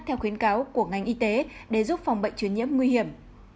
theo khuyến cáo của ngành y tế để giúp phòng bệnh truyền nhiễm nguy hiểm